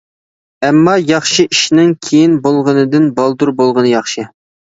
ئەمما ياخشى ئىشنىڭ كېيىن بولغىنىدىن بالدۇر بولغىنى ياخشى.